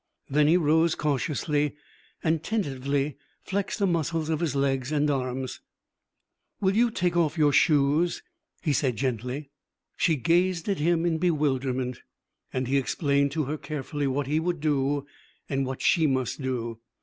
Then he rose cautiously, and tentatively flexed the muscles of his legs and arms. 'Will you take off your shoes?' he said gently. She gazed at him in bewilderment, and he explained to her carefully what he would do and what she must do.